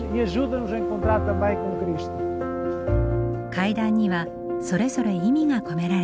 階段にはそれぞれ意味が込められています。